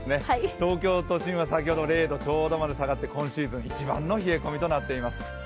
東京都心は先ほど０度ちょうどまで下がって今シーズン一番の冷え込みとなっています。